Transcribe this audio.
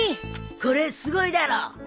これすごいだろ。